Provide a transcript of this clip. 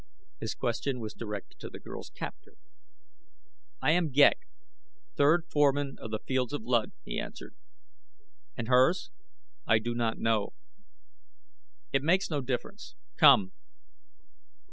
His question was directed to the girl's captor. "I am Ghek, third foreman of the fields of Luud," he answered. "And hers?" "I do not know." "It makes no difference. Come!"